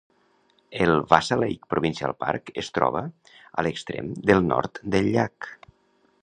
El Wasa Lake Provincial Park es troba a l'extrem nord del llac.